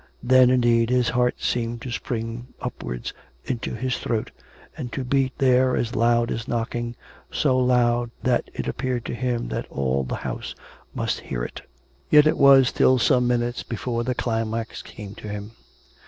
Then, indeed, his heart seemed to spring upwards into his throat, and to beat there, as loud as knocking, so loud that it appeared to him that all the house must hear it. Yet it was still some minutes before the climax came to him.